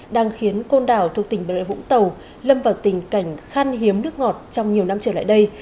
đang khiến côn đảo thuộc tỉnh bà rịa vũng tàu lâm vào tình cảnh khan hiếm nước ngọt trong nhiều năm trở lại đây